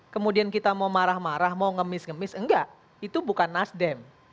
kemudian kita mau marah marah mau ngemis ngemis enggak itu bukan nasdem